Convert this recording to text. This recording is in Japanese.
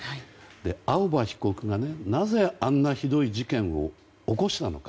青葉被告がなぜ、あんなひどい事件を起こしたのか。